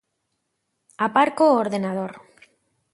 Aparco o ordenador.